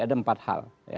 ada empat hal